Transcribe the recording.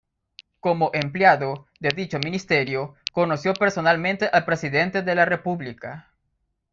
Como empleado, de dicho ministerio, conoció personalmente al presidente de la República.